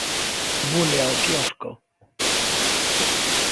Bule ao quiosco!